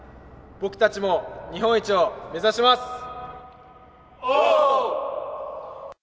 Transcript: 僕たちも日本一を目指します。